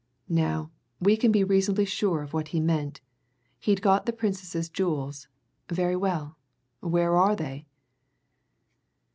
Now, we can be reasonably sure of what he meant. He'd got the Princess's jewels. Very well! Where are they?"